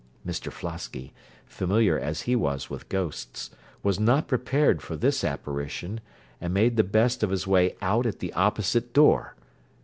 Mr Flosky, familiar as he was with ghosts, was not prepared for this apparition, and made the best of his way out at the opposite door.